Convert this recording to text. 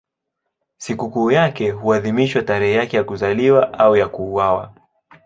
Sikukuu yake huadhimishwa tarehe yake ya kuzaliwa au ya kuuawa.